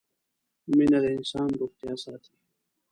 مينه د انسان روغتيا ساتي